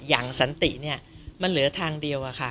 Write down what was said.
สันติเนี่ยมันเหลือทางเดียวอะค่ะ